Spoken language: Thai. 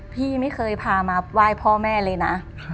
พี่ไม่เคยพามาไหว้พ่อแม่เลยนะ